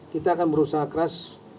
kita akan berusaha keras